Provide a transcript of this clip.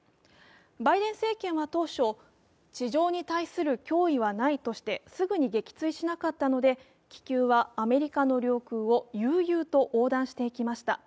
バイデン政権は当初、地上に対する脅威はないとしてすぐに撃墜しなかったので気球はアメリカの領空を悠々と横断していきました。